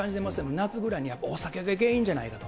夏ぐらいに、やっぱお酒が原因じゃないかと。